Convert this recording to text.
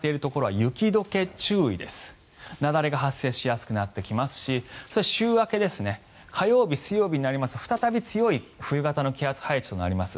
雪崩が発生しやすくなってきますし週明け火曜日、水曜日になりますと再び強い冬型の気圧配置となります。